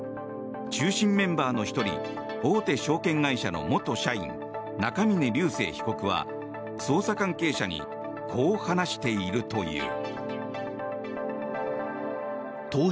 中心メンバーの１人大手証券会社の元社員中峯竜晟被告は、捜査関係者にこう話しているという。